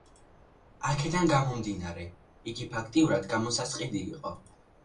აქედან გამომდინარე, იგი ფაქტიურად გამოსასყიდი იყო.